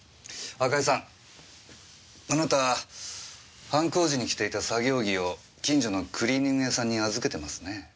赤井さんあなた犯行時に着ていた作業着を近所のクリーニング屋さんに預けてますね。